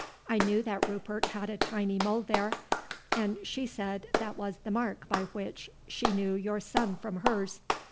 I knew that Rupert had a tiny mole there; and she said that was the mark by which she knew your son from hers.'